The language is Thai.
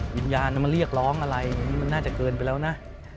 วิญญาณมันเรียกร้องอะไรอย่างนี้มันน่าจะเกินไปแล้วนะ